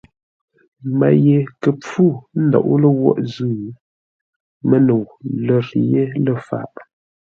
Mə́ ye kə̂ mpfú ńdóʼó ləwoʼ zʉ́, Mə́nəu lə̂r yé lə̂ faʼ.